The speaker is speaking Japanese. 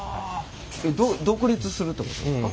独立するってことですか？